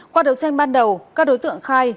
qua đấu tranh ban đầu các đối tượng khai